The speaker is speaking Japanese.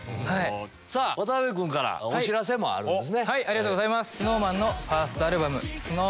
さぁ渡辺君からお知らせもあるんですね。